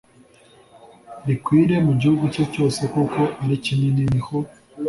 rikwire mu gihugu cye cyose kuko ari kinini Ni ho